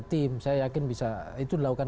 tim saya yakin bisa itu dilakukan